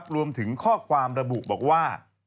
รวมถึงข้อความระบุบอกว่า